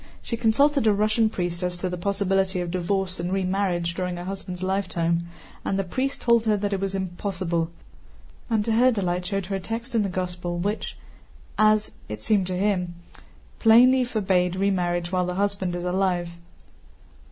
She consulted a Russian priest as to the possibility of divorce and remarriage during a husband's lifetime, and the priest told her that it was impossible, and to her delight showed her a text in the Gospel which (as it seemed to him) plainly forbids remarriage while the husband is alive.